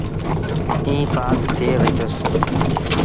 ائيٚݩ پآس ٿئي وهيٚتوس۔